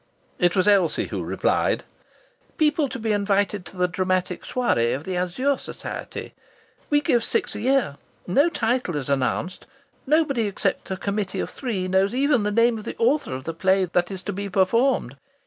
It was Elsie who replied: "People to be invited to the dramatic soirée of the Azure Society. We give six a year. No title is announced. Nobody except a committee of three knows even the name of the author of the play that is to be performed.